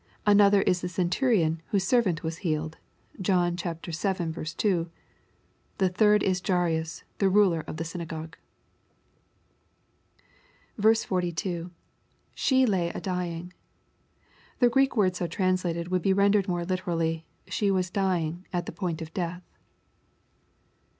Another J9 the centurion whose servant was healed. (John vii. 2.) The third is Jairus, the ruler of the synagogue. t2,' [She lay a dying.] The Greek word so translated would be rendered more literally, " she was dying— at the point of death."